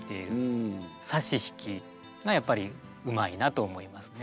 差し引きがやっぱりうまいなと思いますね。